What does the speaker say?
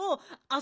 あ！